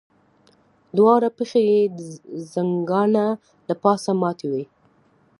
دواړه پښې یې د ځنګانه له پاسه ماتې وې.